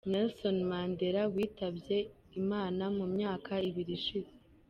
Nelson Mandela witabye imana mu myaka ibiri ishize.